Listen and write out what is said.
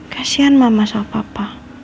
kasian mama sama papa